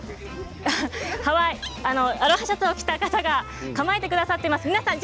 アロハシャツを着た方が構えてくださっています。